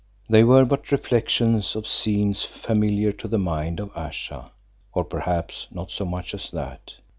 They were but reflections of scenes familiar to the mind of Ayesha, or perhaps not so much as that.